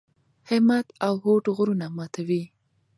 همت او هوډ غرونه ماتوي.